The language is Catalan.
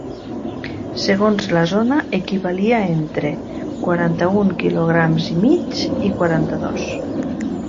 Segons la zona equivalia entre quaranta-un quilograms i mig i quaranta-dos.